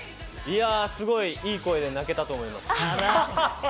いい声で泣けたと思います。